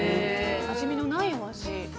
なじみのないお味。